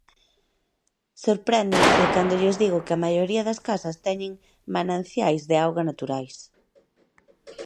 Sorpréndense cando lles digo que a maioría das casas teñen mananciais de auga naturais.